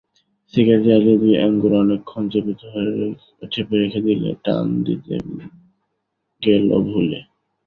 Cigarette জ্বালিয়ে দুই আঙুলে অনেকক্ষণ চেপে রেখে দিলে, টান দিতে গেল ভুলে।